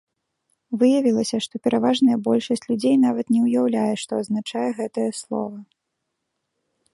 Выявілася, што пераважная большасць людзей нават не ўяўляе, што азначае гэтае слова.